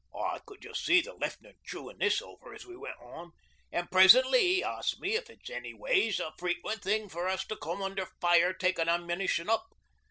'I could just see the Left'nant chewin' this over as we went on, an' presently he asks me if it's anyways a frequent thing for us to come under fire takin' ammunition up.